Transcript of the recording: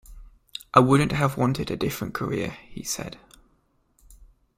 I wouldn't have wanted a different career, he said.